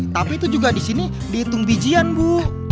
tapi itu juga di sini dihitung bijian bu